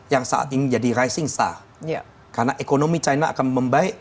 yang saat ini menjadi rising star karena ekonomi china akan membaik